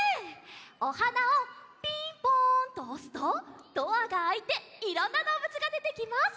おはなをピンポンとおすとドアがあいていろんなどうぶつがでてきます。